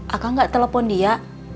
akang gak telepon dia